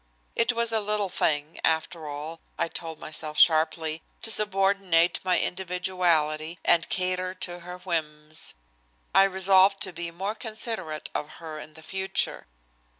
It was a little thing, after all, I told myself sharply, to subordinate my individuality and cater to her whims. I resolved to be more considerate of her in the future.